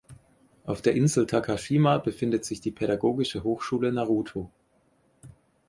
Auf der Insel Takashima befindet sich die Pädagogische Hochschule Naruto.